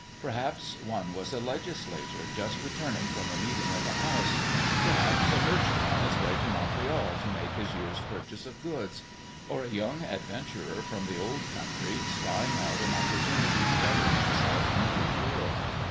Perhaps one was a legislator just returning from a meeting of the House, perhaps a merchant on his way to Montreal to make his year's purchase of goods, or a young adventurer from the old country spying out an opportunity to better himself in the New World.